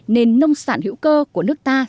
nên nông sản hữu cơ của nước ta